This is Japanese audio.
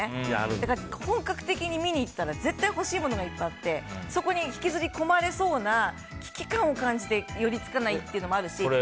だから、本格的に見に行ったら欲しいものがいっぱいあってそこに引きずり込まれそうな危機感を感じて寄り付かないっていうのもあるし。